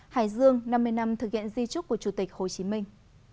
hải dương năm mươi năm thực hiện di trúc của chủ tịch hồ chí minh